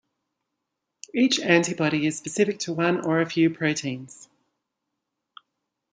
Each antibody is specific to one or a few proteins.